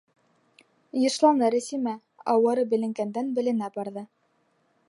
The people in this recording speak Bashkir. Йышланы Рәсимә, ауыры беленгәндән-беленә барҙы.